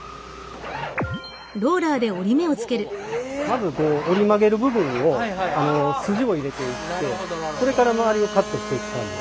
まず折り曲げる部分を筋を入れていってそれから周りをカットしていく感じ。